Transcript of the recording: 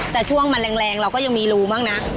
แต่ช่วงมันแรงเราก็ยังมีรูบ้างนะ